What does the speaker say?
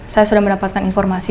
saya sudah mendapatkan informasi